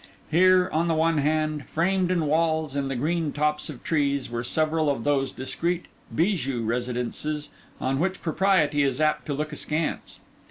Here, on the one hand, framed in walls and the green tops of trees, were several of those discreet, bijou residences on which propriety is apt to look askance.